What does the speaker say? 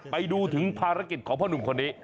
ไปดูถึงภารกิจของพ่อหนุ่มคนนี้